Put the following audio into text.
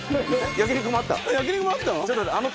焼肉もあったの！？